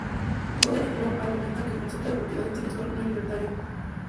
Roderick Long argumenta que el concepto de propiedad intelectual no es libertario.